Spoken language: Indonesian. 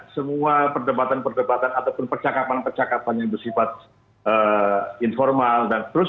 semua perdebatan perdebatan ataupun percakapan percakapan yang bersifat informal